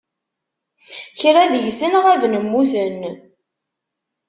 Kra deg-sen ɣaben mmuten